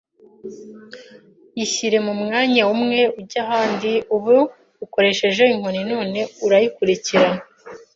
yishyire mu mwanya umwe ujya ahandi, ubu ukoresheje inkoni, none urayikurikirana